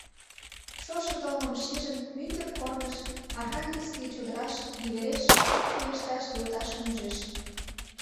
Шошо толмым шижын, мӱндыр корныш, архангельский чодыраш, иквереш чоҥешташ йолташым ӱжеш.